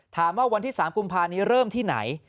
ถามว่าวันที่๓กุมภาพันธ์นี้เริ่มที่ไหน